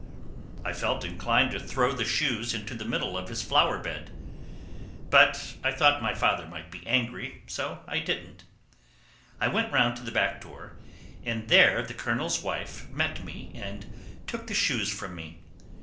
I felt inclined to throw the shoes into the middle of his flower bed. But I thought my father might be angry, so I didn't. I went round to the back door, and there the Colonel's wife met me and took the shoes from me.